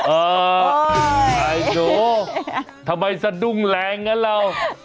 โอ้โหทำไมจะดุ้งแหลงน่ะเรา